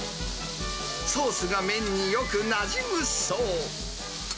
ソースが麺によくなじむそう。